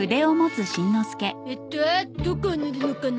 えっとどこを塗るのかな？